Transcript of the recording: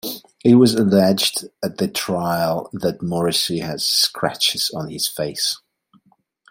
It was alleged at the trial that Morrissey had scratches on his face.